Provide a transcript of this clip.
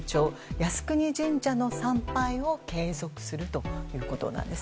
靖国神社の参拝を継続するということです。